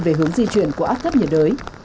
về hướng di chuyển của áp thấp nhiệt đới